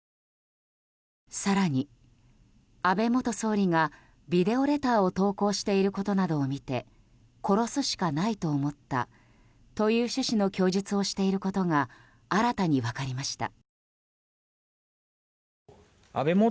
更に安倍元総理がビデオレターを投稿していることなどを見て殺すしかないと思ったという趣旨の供述をしていることが新たに分かりました。